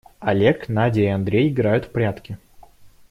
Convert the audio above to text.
Олег, Надя и Андрей играют в прятки.